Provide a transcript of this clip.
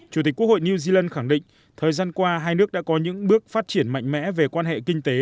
chủ tịch quốc hội new zealand khẳng định thời gian qua hai nước đã có những bước phát triển mạnh mẽ về quan hệ kinh tế